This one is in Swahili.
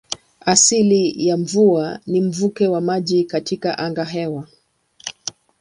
Asili ya mvua ni mvuke wa maji katika angahewa.